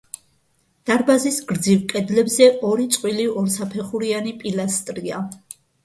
დარბაზის გრძივ კედლებზე ორი წყვილი ორსაფეხურიანი პილასტრია.